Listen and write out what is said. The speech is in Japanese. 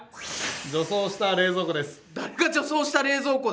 女装した冷蔵庫です。